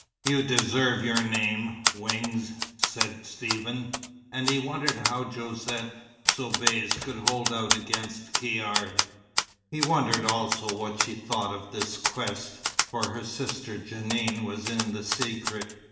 "You deserve your name, Wings," said Stephen. And he wondered how Josette Soubise could hold out against Caird. He wondered also what she thought of this quest; for her sister Jeanne was in the secret.